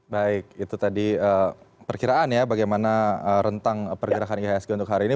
baik itu tadi perkiraan ya bagaimana rentang pergerakan ihsg untuk hari ini